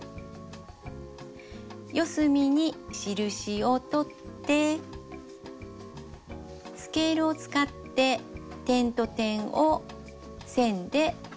四隅に印をとってスケールを使って点と点を線でつなぎます。